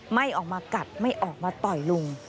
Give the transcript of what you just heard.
ไม่ออกมากัดไม่ออกมาต่อยลุง